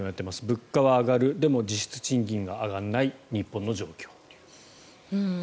物価が上がるでも、実質賃金が上がらない日本の状況。